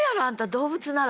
動物なら。